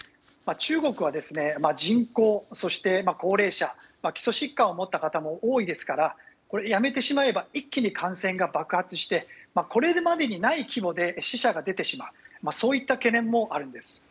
中国は人口、そして高齢者基礎疾患を持った方も多いですからやめてしまえば一気に感染が爆発してこれまでにない規模で死者が出てしまうといった懸念もあるんです。